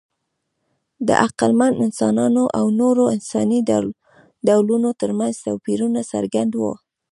د عقلمن انسانانو او نورو انساني ډولونو ترمنځ توپیرونه څرګند وو.